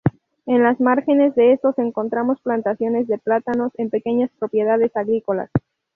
En las márgenes de estos encontramos plantaciones de plátanos en pequeñas propiedades agrícolas.